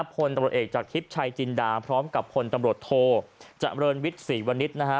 คนตรวจเอกจากทริปชัยจินดาพร้อมกับคนตำรวจโทจักรเรินวิทย์ศรีวณิตนะฮะ